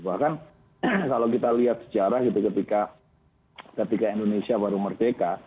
bahkan kalau kita lihat sejarah gitu ketika indonesia baru merdeka